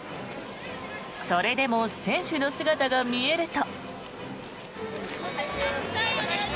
それでも選手の姿が見えると。